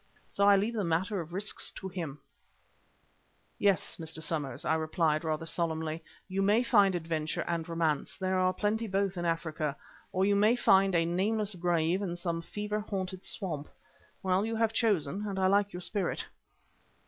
So I leave the matter of risks to Him." "Yes, Mr. Somers," I replied rather solemnly. "You may find adventure and romance, there are plenty of both in Africa. Or you may find a nameless grave in some fever haunted swamp. Well, you have chosen, and I like your spirit."